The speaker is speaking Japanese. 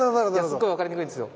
すっごい分かりにくいんですよ。